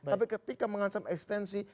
tapi ketika mengancam eksistensi